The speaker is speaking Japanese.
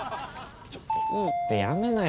いいってやめなよお前。